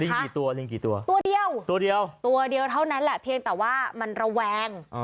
กี่ตัวลิงกี่ตัวตัวเดียวตัวเดียวตัวเดียวเท่านั้นแหละเพียงแต่ว่ามันระแวง